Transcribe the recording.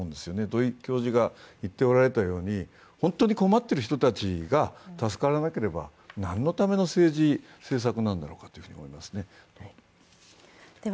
土居教授が言っておられたように、本当に困っている人たちが助からなければ何のための政治、政策なんだろうかと思います。